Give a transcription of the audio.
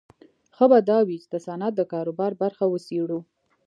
ښه به دا وي چې د صنعت د کاروبار برخه وڅېړو